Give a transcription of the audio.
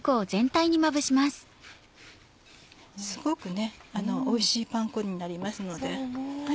すごくねおいしいパン粉になりますので。